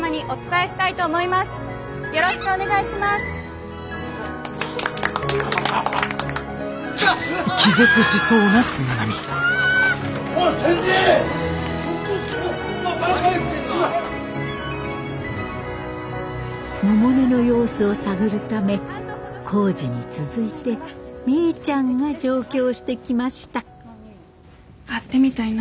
会ってみたいな。